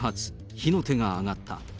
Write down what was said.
火の手が上がった。